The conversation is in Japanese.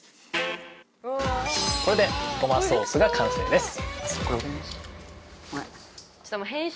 これでゴマソースが完成です